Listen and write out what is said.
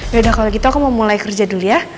yaudah kalau gitu aku mau mulai kerja dulu ya